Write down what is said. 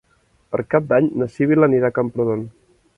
Per Cap d'Any na Sibil·la anirà a Camprodon.